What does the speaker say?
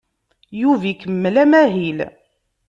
Yuba ikemmel amahil.